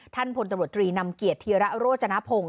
ท่านพลตรวจตรีนำเกียจเทียระโรจนภง